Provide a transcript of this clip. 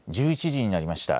１１時になりました。